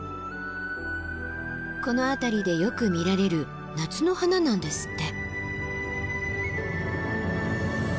この辺りでよく見られる夏の花なんですって。